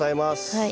はい。